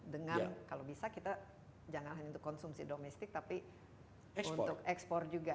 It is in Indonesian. dengan kalau bisa kita jangan hanya untuk konsumsi domestik tapi untuk ekspor juga